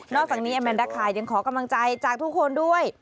อกจากนี้อาแมนดาคายังขอกำลังใจจากทุกคนด้วย